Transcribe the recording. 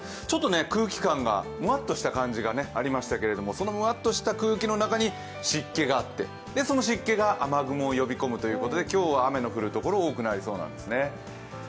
ちょっと空気感がもわっとした感じがありましたが、そのむわっとした空気の中に湿気があってその湿気が雨雲を呼び込むということで今日は雨の降る所が多くなりそうなんです。